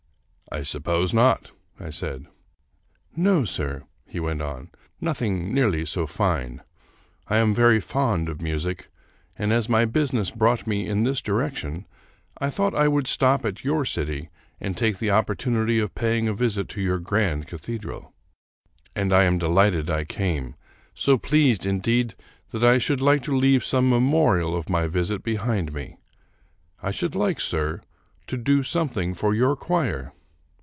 " I suppose not," I said. " No, sir," he went on, " nothing nearly so fine. I am very fond of music, and as my business brought me in this direction, I thought I would stop at your city and take the opportunity of paying a visit to your grand cathedral. And I am delighted I came; so pleased, indeed, that I should like to leave some memorial of my visit behind me. I should like, sir, to do something for your choir."